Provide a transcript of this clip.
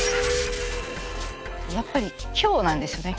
やっぱり今日なんですよね。